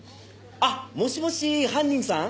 あっもしもし犯人さん？